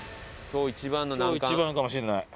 今日一番かもしれない。